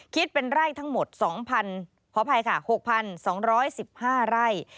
คิดเป็นไร่ทั้งหมด๖๒๑๕ไร่